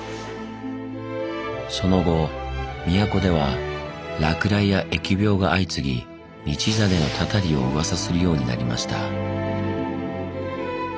その後都では落雷や疫病が相次ぎ道真の祟りをうわさするようになりました。